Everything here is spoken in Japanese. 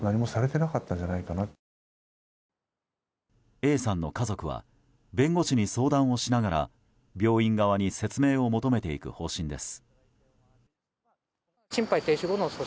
Ａさんの家族は弁護士に相談をしながら病院側に説明を求めていく方針です。